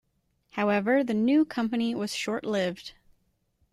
However the new company was short-lived.